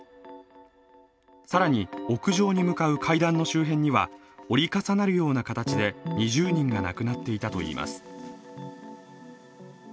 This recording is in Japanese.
更に屋上に向かう階段の周辺には折り重なるような形で２０人が亡くなっていたといいます。